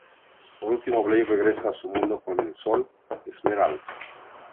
Por último, Blaze regresa a su mundo con las Sol Emeralds.